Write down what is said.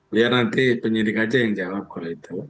biar nanti penyidik aja yang jawab kalau itu